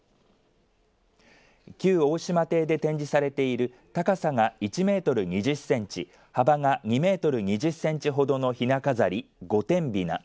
旧大島邸で展示されている高さが１メートル２０センチ幅が２メートル２０センチほどのひな飾り、御殿雛。